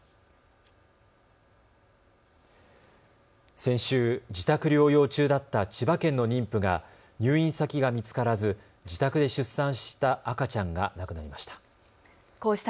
先週、自宅療養中だった千葉県の妊婦が入院先が見つからず自宅で出産した赤ちゃんが亡くなりました。